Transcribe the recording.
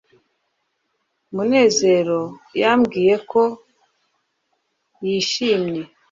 munezero yambwiye ko yishimye